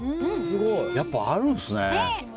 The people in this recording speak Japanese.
やっぱ、あるんですね。